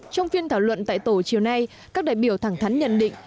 trong phiên thảo luận tại tổ chiều nay các đại biểu thẳng thắn nhận định